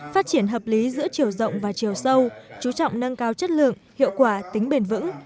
phát triển hợp lý giữa chiều rộng và chiều sâu chú trọng nâng cao chất lượng hiệu quả tính bền vững